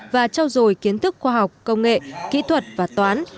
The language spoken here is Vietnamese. và trao dồi kiến thức khoa học công nghệ kỹ thuật và toán